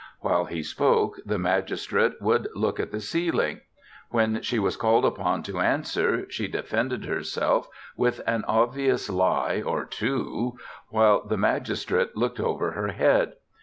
While he spoke the magistrate would look at the ceiling. When she was called upon to answer she defended herself with an obvious lie or two, while the magistrate looked over her head.